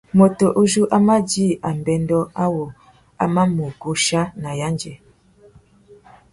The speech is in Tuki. Mutu uzu a mà djï abêndô awô a mà mù guchia nà yendzê.